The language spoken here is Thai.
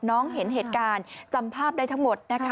น้องเห็นเหตุการณ์จำภาพได้ทั้งหมด